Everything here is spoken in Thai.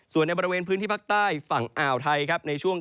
ส่วนในบริเวณพื้นที่ภาคใต้ฝั่งอ่าวไทยครับในช่วง